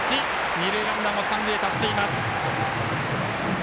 二塁ランナーも三塁へ達しています。